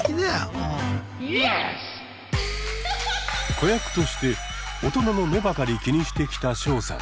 子役として大人の目ばかり気にしてきたショウさん。